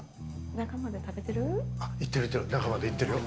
中までいってるよ。